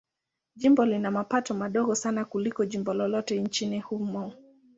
Jimbo lina mapato madogo sana kuliko jimbo lolote nchini humo.